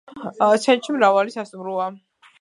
ცენტრში მრავალი სასტუმროა.